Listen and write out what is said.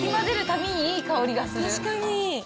たびにいい香りがする。